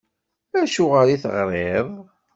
Acuɣeṛ i d-teɣṛiḍ?